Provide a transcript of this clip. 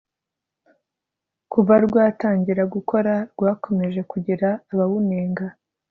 kuva rwatangira gukora rwakomeje kugira abawunenga